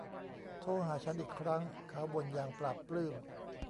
โทรหาฉันอีกครั้ง เขาบ่นอย่างปลาบปลื้ม